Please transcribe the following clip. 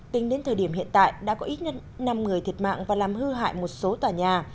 tính đến thời điểm hiện tại đã có ít nhất năm người thiệt mạng và làm hư hại một số tòa nhà